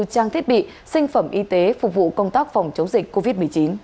trang thiết bị sinh phẩm y tế phục vụ công tác phòng chống dịch covid một mươi chín